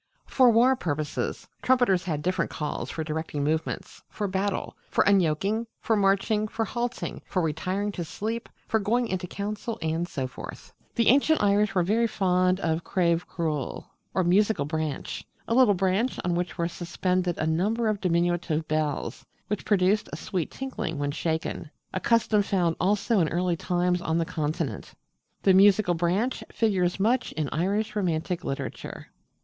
For war purposes, trumpeters had different calls for directing movements for battle, for unyoking, for marching, for halting, for retiring to sleep, for going into council, and so forth. The ancient Irish were very fond of a Craebh ciuil [crave cule], or 'musical branch,' a little branch on which were suspended a number of diminutive bells, which produced a sweet tinkling when shaken: a custom found also in early times on the Continent. The musical branch figures much in Irish romantic literature.